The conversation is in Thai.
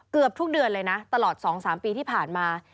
เกือบทุกเดือนเลยนะตลอด๒๓ปีที่ผ่านมา